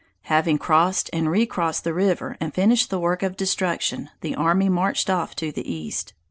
Having crossed and recrossed the river, and finished the work of destruction, the army marched off to the east.